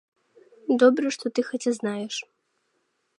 Добра, што ты хаця знаеш!